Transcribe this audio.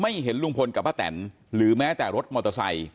เห็นลุงพลกับป้าแตนหรือแม้แต่รถมอเตอร์ไซค